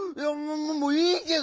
もういいけどさ！